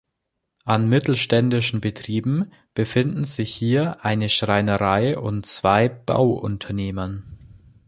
An mittelständischen Betrieben befinden sich hier eine Schreinerei und zwei Bauunternehmen.